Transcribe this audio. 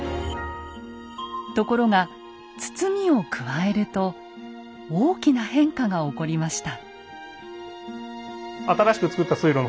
ところが堤を加えると大きな変化が起こりました。